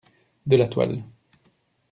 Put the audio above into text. De la toile!